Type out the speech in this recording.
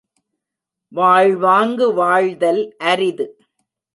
வாழ்வாங்கு வாழ்தல் அரிது.